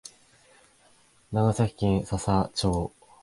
長崎県佐々町